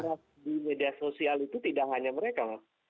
karena di media sosial itu tidak hanya mereka